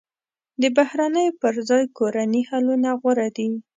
د بهرنیو پر ځای کورني حلونه غوره دي.